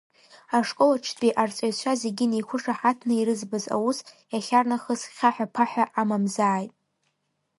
Ашкол аҿтәи арҵаҩцәа зегьы неиқәышаҳаҭны ирыӡбаз аус, иахьарнахыс хьаҳәа-ԥаҳәа амамзааит.